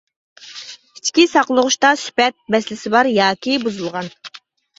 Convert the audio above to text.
ئىچكى ساقلىغۇچتا سۈپەت مەسىلىسى بار ياكى بۇزۇلغان.